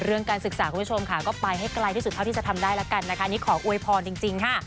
เรื่องการศึกษาก็ไปให้ไกลที่สุดเท่าจะทำได้ที่จะทำไปแล้วนักการยังงั้นค่ะนี่ขออวยพรจริงค่ะ